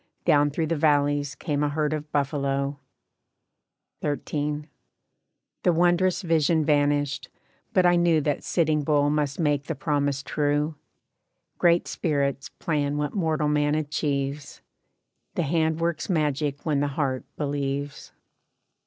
Down through the valleys came a herd of buffalo. XIII. "The wondrous vision vanished, but I knew That Sitting Bull must make the promise true. Great Spirits plan what mortal man achieves, The hand works magic when the heart believes.